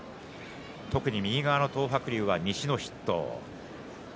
特に東白龍は西の筆頭。